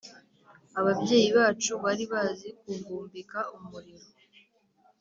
ababyeyi bacu bari bazi kuvumbika umuriro.